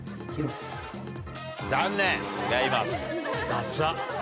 ダサっ。